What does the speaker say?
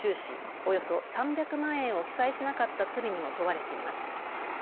およそ３００万円を記載しなかった罪にも問われています。